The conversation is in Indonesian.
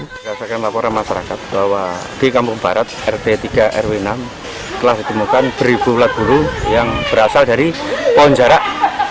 dinas pertanian mengasahkan laporan masyarakat bahwa di kampung barat rt tiga rw enam telah ditemukan ribuan ulat bulu yang berasal dari pohon jarak